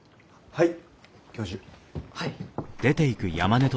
はい。